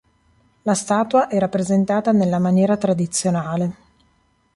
La statua è rappresentata nella maniera tradizionale.